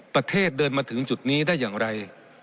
ประเทศเดินมาถึงจุดนี้ได้อย่างไร